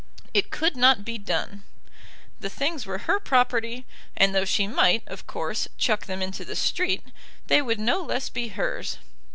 It could not be done. The things were her property, and though she might, of course, chuck them into the street, they would no less be hers.